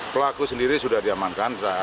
pelaku sendiri sudah diamankan